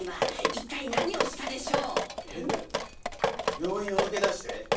病院を抜け出して？